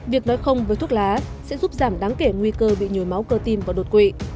việc nói không với thuốc lá sẽ giúp giảm đáng kể nguy cơ bị nhồi máu cơ tim và đột quỵ